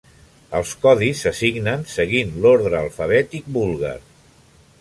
Els codis s'assignen seguint l'ordre alfabètic búlgar.